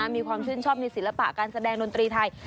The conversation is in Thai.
มีความชื่นชอบในศิลปะการแสดงดนตรีไทย